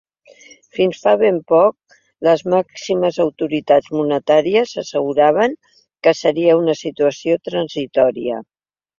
Fins fa ben poc, les màximes autoritats monetàries asseguraven que seria una situació transitòria.